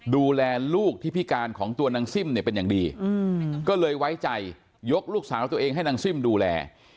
ดูแลลูกที่พิการของตัวนางซิ่มเนี่ยเป็นอย่างดีก็เลยไว้ใจยกลูกสาวตัวเองให้นางซิ่มดูแล